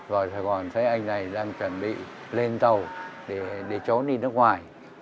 rồi sài gòn thấy anh này đang chuẩn bị lên tàu để trốn đi nước ngoài